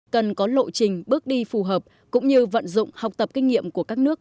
cần có lộ trình bước đi phù hợp cũng như vận dụng học tập kinh nghiệm của các nước